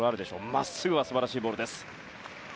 まっすぐは素晴らしいボールでした。